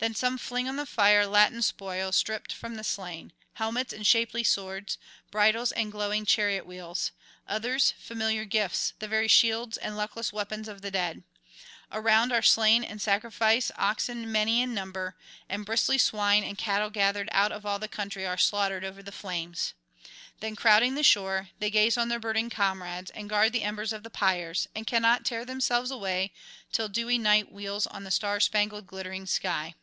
Then some fling on the fire Latin spoils stripped from the slain, helmets and shapely swords, bridles and glowing chariot wheels; others familiar gifts, the very shields and luckless weapons of the dead. Around are slain in sacrifice oxen many in number, and bristly swine and cattle gathered out of all the country [199 234]are slaughtered over the flames. Then, crowding the shore, they gaze on their burning comrades, and guard the embers of the pyres, and cannot tear themselves away till dewy Night wheels on the star spangled glittering sky.